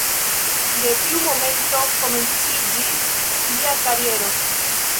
De tiu momento komenciĝis lia kariero.